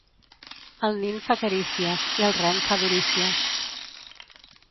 El nin fa carícies i el rem fa durícies.